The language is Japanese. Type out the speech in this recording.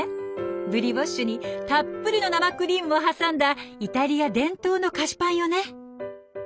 ブリオッシュにたっぷりの生クリームを挟んだイタリア伝統の菓子パンよね。